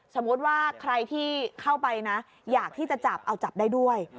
สมมุติว่าใครที่เข้าไปนะอยากที่จะจับเอาจับได้ด้วย